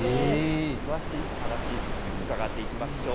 詳しいお話を伺っていきましょう。